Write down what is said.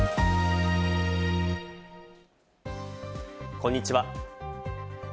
こんにちは。